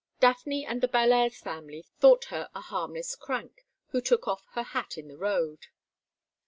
Daphne and the Bellairs family thought her a harmless crank, who took off her hat in the road.